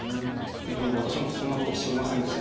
本当に私もそんなことは知りませんでした。